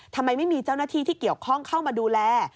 ทำไมไม่มีเจ้าหน้าที่ที่เกี่ยวข้องเข้ามาดูแล